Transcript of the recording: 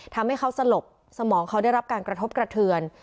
ทำให้เขาสลบสมองเขาได้รับการกระทบกระเทือน